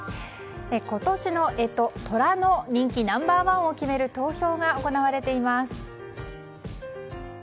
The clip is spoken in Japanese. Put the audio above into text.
今年の干支、とらの人気ナンバー１を決める投票が行われています。